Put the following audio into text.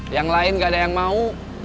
yang lain gak ada yang mau